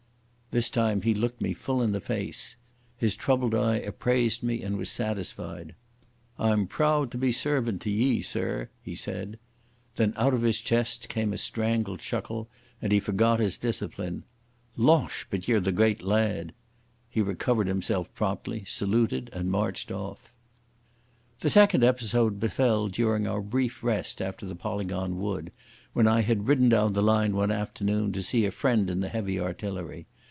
This time he looked me full in the face. His troubled eye appraised me and was satisfied. "I'm proud to be servant to ye, sirr," he said. Then out of his chest came a strangled chuckle, and he forgot his discipline. "Losh, but ye're the great lad!" He recovered himself promptly, saluted, and marched off. The second episode befell during our brief rest after the Polygon Wood, when I had ridden down the line one afternoon to see a friend in the Heavy Artillery.